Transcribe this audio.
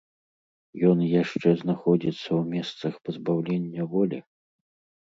Ён яшчэ знаходзіцца ў месцах пазбаўлення волі?